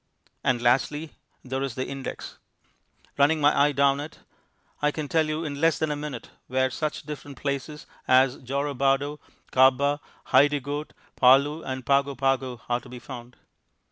And lastly there is the index. Running my eye down it, I can tell you in less than a minute where such different places as Jorobado, Kabba, Hidegkut, Paloo, and Pago Pago are to be found.